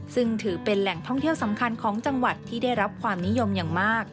ซึ่งถือเป็นแหล่งท่องเที่ยวสำคัญของจังหวัดที่ได้รับความนิยมอย่างมาก